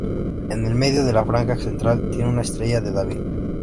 En el medio de la franja central tiene una estrella de David.